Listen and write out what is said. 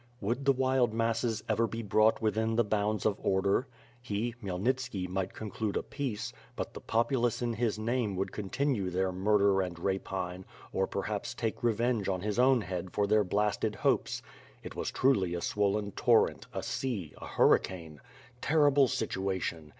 Would the wild masses ever be brought within the bounds of order? He, Khmyelnitski, might conclude a peace; but the populace in his name would continue their murder and rapine, or perhaps take vengeance on his own head for their blasted hopes. It was truly a swollen torrent, a sea, a hurricane! Terrible situation!